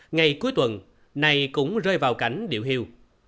ngày cuối tuần này cũng rơi vào cảnh điệu hiêu